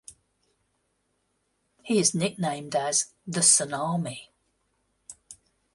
He is nicknamed as "the Tsunami".